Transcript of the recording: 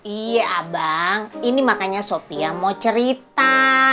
iya abang ini makanya sopi yang mau cerita